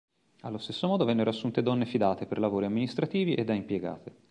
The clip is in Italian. Allo stesso modo vennero assunte donne fidate per lavori amministrativi e da impiegate.